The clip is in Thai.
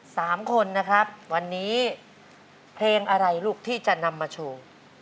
สามคนนะครับวันนี้เพลงอะไรลูกที่จะนำมาโชว์